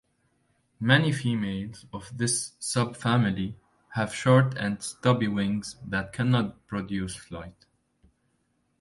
Many females of this subfamily have short and stubby wings that cannot produce flight.